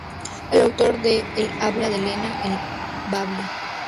Es autor de "El habla de Lena", "El bable.